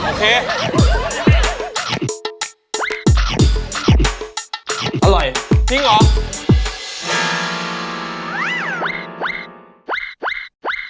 หกไปแน่